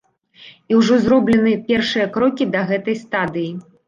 І ўжо зроблены першыя крокі да гэтай стадыі.